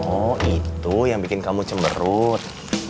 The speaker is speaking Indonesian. oh itu yang bikin kamu cemberut